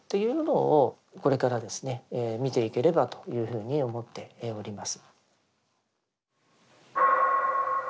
見ていければというふうに思っております。